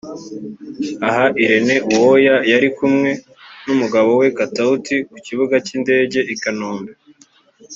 Aha Irene Uwoya yari kumwe n'umugabo we Katauti ku kibuga cy'indege i Kanombe